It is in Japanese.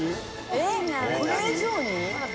えっこれ以上に？